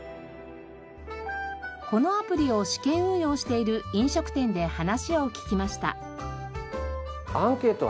このアプリを試験運用している飲食店で話を聞きました。